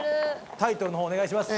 タイトルの方お願いします。